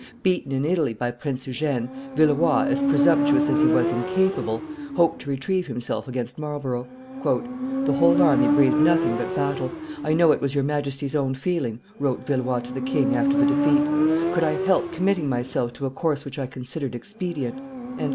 Beaten in Italy by Prince Eugene, Villeroi, as presumptuous as he was incapable, hoped to retrieve himself against Marlborough. "The whole army breathed nothing but battle; I know it was your Majesty's own feeling," wrote Villeroi to the king, after the defeat: "could I help committing myself to a course which I considered expedient?"